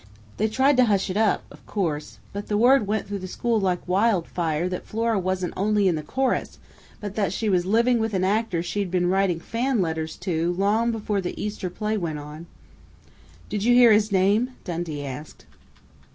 "They tried to hush it up, of course, but the word went through the school like wildfire that Flora wasn't only in the chorus, but that she was living with an actor she'd been writing fan letters to long before the Easter play went on!" "Did you hear his name?" Dundee asked.